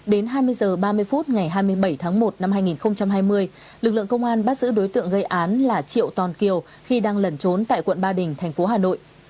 đến hai mươi h ba mươi phút ngày hai mươi bảy tháng một năm hai nghìn hai mươi lực lượng công an bắt giữ đối tượng gây án là triệu toàn kiều khi đang lẩn trốn tại quận ba đình thành phố hà nội